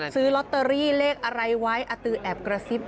ซื้อลอตเตอรี่เลขอะไรไว้อาตือแอบกระซิบ